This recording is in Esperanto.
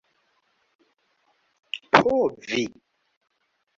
povi